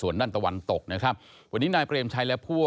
วันนั่นตะวันตกนะครับวันนี้นายพูด